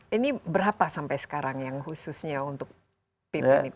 ini berapa sampai sekarang yang khususnya untuk pimp ini